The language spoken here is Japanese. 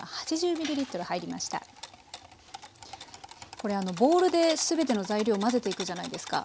ここでこれボウルで全ての材料を混ぜていくじゃないですか。